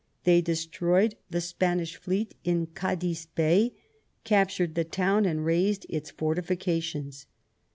They destroyed the Spanish fleet in Cadiz Bay, captured the town, and razed its fortifications.